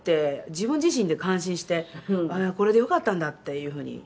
自分自身で感心してこれでよかったんだっていう風に」